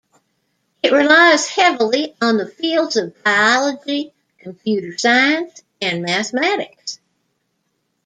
It relies heavily on the fields of biology, computer science and mathematics.